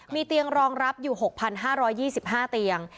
มีเตียงรองรับอยู่๖๕๒๕เตียง